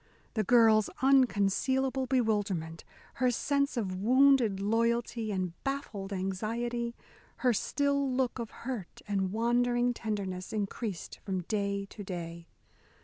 The girl's unconcealable bewilderment, her sense of wounded loyalty and baffled anxiety, her still look of hurt and wondering tenderness, increased from day to day.